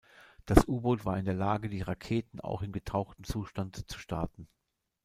Das U-Boot war in der Lage, die Raketen auch im getauchten Zustand zu starten.